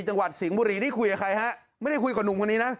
จังหวัดสิงห์บุรีนี่คุยกับใครฮะไม่ได้คุยกับหนุ่มคนนี้นะ